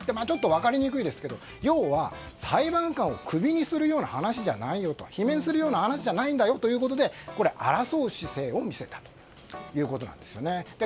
ちょっと分かりにくいですけど要は裁判官をクビにするような話じゃないよと罷免するような話じゃないんだよということで争う姿勢を見せたということなんです。